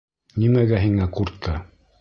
Нимәгә һиңә куртка?